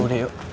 ya udah yuk